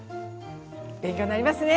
勉強になりますね。